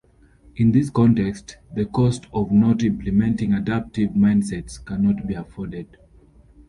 In this context, the cost of not implementing adaptive mindsets cannot be afforded.